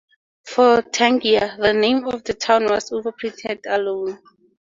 For Tangier, the name of the town was overprinted alone.